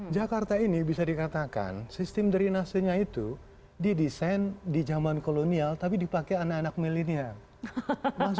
jakarta ini bisa dikatakan sistem derenasenya itu didesain di zaman kolonial tapi dipakai anak anak milenial